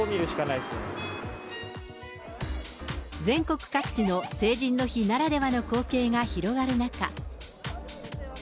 全国各地の成人の日ならではの光景が広がる中。